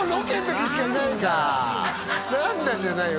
何だ「何だ」じゃないよ